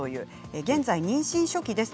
現在、妊娠初期です。